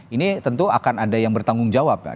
ini tentu akan ada yang bertanggung jawab kan